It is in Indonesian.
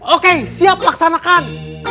oke siap laksanakan